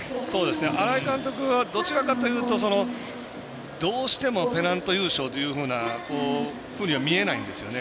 新井監督はどちらかというとどうしてもペナント優勝というふうには見えないんですよね。